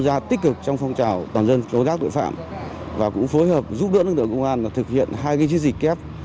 và cũng phối hợp giúp đỡ lực lượng công an thực hiện hai chiến dịch kép